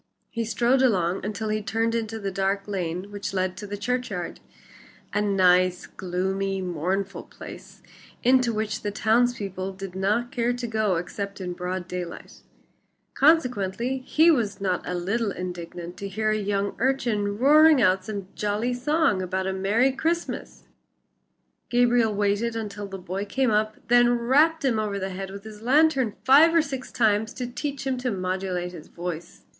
He strode along until he turned into the dark lane which led to the churchyard a nice, gloomy, mournful place into which the towns people did not care to go except in broad daylight, consequently he was not a little indignant to hear a young urchin roaring out some jolly song about a Merry Christmas. Gabriel waited until the boy came up, then rapped him over the head with his lantern five or six times to teach him to modulate his voice.